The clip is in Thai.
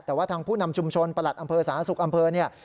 แต่ว่าทางผู้นำชุมชนประหลัดอำเภอสาธารณสุขอำเภอเนี่ย